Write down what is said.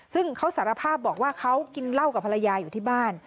ซึ่งเขาสารภาพบอกว่าเขากินเหล้ากับภรรยาอยู่ที่บ้าน